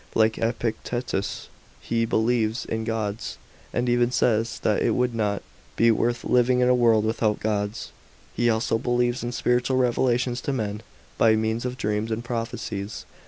Like Epictetus, he believes in gods, and even says, that it would not be worth living in a world without gods. He also believes in special revelations to men, by means of dreams and prophecies.